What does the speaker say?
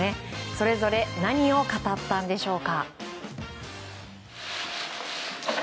それぞれ何を語ったのでしょう。